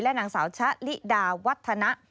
นางสาวชะลิดาวัฒนะ